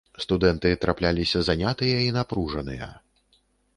Студэнты трапляліся занятыя і напружаныя.